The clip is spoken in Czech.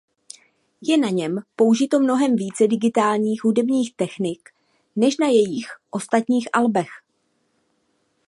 Je na něm použito mnohem více digitálních hudebních technik než na jejich ostatních albech.